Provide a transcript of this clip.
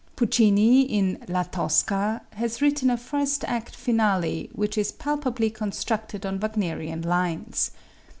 Puccini, in "La Tosca," has written a first act finale which is palpably constructed on Wagnerian lines.